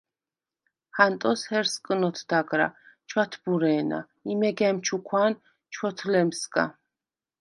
ჰანტოს ჰერსკნ ოთდაგრა, ჩვათბურე̄ნა ი მეგა̈მ ჩუქვა̄ნ ჩვოთლემსგა.